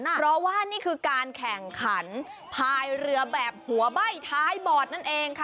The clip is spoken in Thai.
เพราะว่านี่คือการแข่งขันพายเรือแบบหัวใบ้ท้ายบอดนั่นเองค่ะ